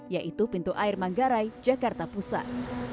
yaitu pintu air manggarai jakarta pusat